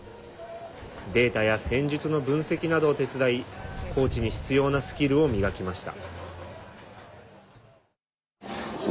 データや戦術の分析などを手伝いコーチに必要なスキルを磨きました。